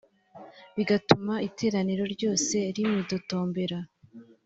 bigatuma iteraniro ryose rimwitotombera